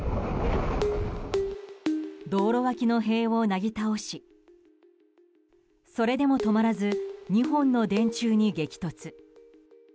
道路脇の塀をなぎ倒しそれでも止まらず２本の電柱に激突。